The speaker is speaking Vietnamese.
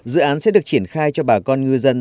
dự án sẽ được triển khai cho bà con ngư dân